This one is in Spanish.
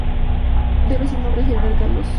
Debe su nombre al General Carlos Soublette.